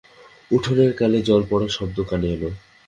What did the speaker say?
উঠোনের কলে জল-পড়ার শব্দ কানে এল।